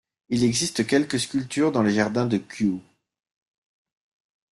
Il existe quelques sculptures dans les Jardins de Kew.